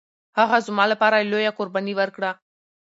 هغه زما لپاره لويه قرباني ورکړه